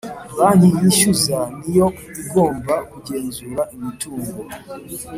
Banki yishyuza niyo igomba kugenzura imitungo